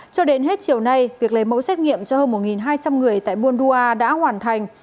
cho đến hết chiều nay việc lấy mẫu xét nghiệm cho hơn một hai trăm linh người tại buôn dua đã hoàn thành